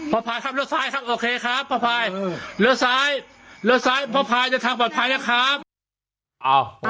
พ่อพายครับเร็วซ้ายครับโอเคครับพ่อพายเร็วซ้ายเร็วซ้ายพ่อพายจะทางปลอดภัยนะครับ